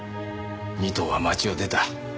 仁藤は町を出た。